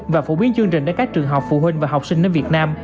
và phổ biến chương trình đến các trường học phụ huynh và học sinh đến việt nam